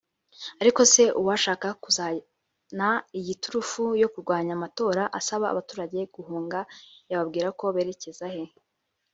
Ariko se uwashaka kuzana iyi turufu yo kurwanya amatora asaba abaturage guhunga yababwira ko berekeza he